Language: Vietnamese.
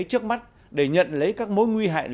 trước mắt để nhận lấy các mối nguy hại